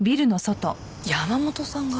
山本さんが。